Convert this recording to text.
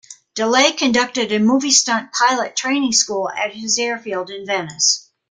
DeLay conducted a movie stunt pilot training school at his airfield in Venice.